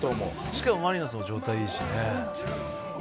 しかもマリノスも状態いいしね。